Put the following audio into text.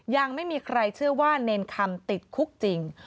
ยังไม่มีใครเชื่อว่าเนรคำติดคุกจริง